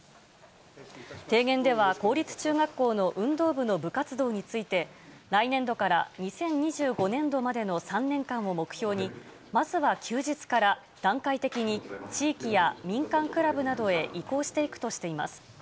提言では、公立中学校の運動部の部活動について、来年度から２０２５年度までの３年間を目標に、まずは休日から、段階的に地域や民間クラブなどへ移行していくとしています。